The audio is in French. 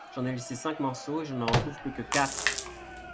J’en ai laissé cinq morceaux et je n’en retrouve plus que quatre !…